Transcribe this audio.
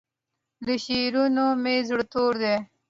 له شعرونو مې زړه تور دی